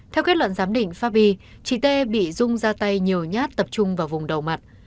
theo kết luận giám định fabi chị t bị rung ra tay nhiều nhát tập trung vào vùng đầu mặt